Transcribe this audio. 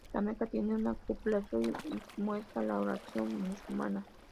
La Meca tiene una cúpula azul y muestra la oración musulmana.